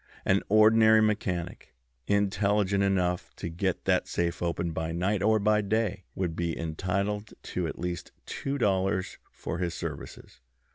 An ordinary mechanic, intelligent enough to get that safe open by night or by day, would be entitled to at least two dollars for his services.